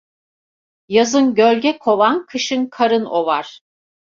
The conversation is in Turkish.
Yazın gölge kovan, kışın karın ovar.